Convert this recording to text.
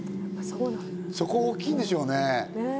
そこが大きいんでしょうね。